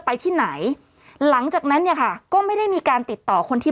ไปที่ไหนหลังจากนั้นเนี่ยค่ะก็ไม่ได้มีการติดต่อคนที่